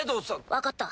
分かった。